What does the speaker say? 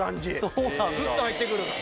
すっと入ってくる。